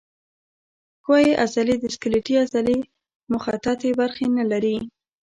ښویې عضلې د سکلیټي عضلې مخططې برخې نه لري.